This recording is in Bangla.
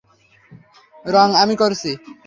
রঙ আমি করছি।